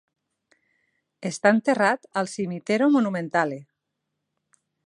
Està enterrat al "Cimitero Monumentale".